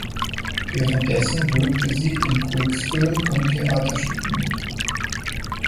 Währenddessen wirkte sie in Kurzfilmen und Theaterstücken mit.